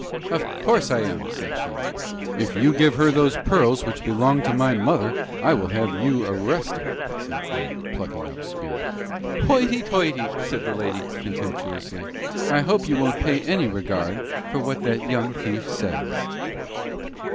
"Of course I am," said she. "If you give her those pearls, which belong to my mother, I will have you arrested," said Grant, plucking up spirit. "Hoity toity!" said the lady, contemptuously. "I hope you won't pay any regard to what that young thief says."